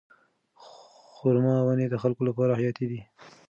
خورما ونې د خلکو لپاره حیاتي دي.